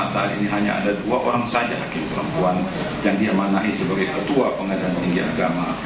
buat masa ini hanya ada dua orang saja hakim perempuan yang diamannahi sebagai ketua pengadilan tinggi goat saric tuas